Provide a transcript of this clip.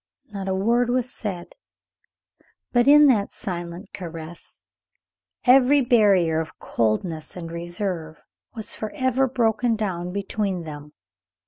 Not a word was said, but in that silent caress every barrier of coldness and reserve was forever broken down between them.